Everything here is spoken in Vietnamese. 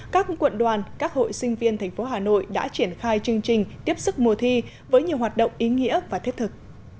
các quận đoàn các hội sinh viên thành phố hà nội đã triển khai chương trình tiếp sức mùa thi với nhiều hoạt động ý nghĩa và thiết thực